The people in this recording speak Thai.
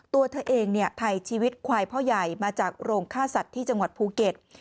ตัวเธอเองถ่ายชีวิตควายพ่อใหญ่มาจากโรงฆ่าสัตว์ที่จังหวัดภูเก็ต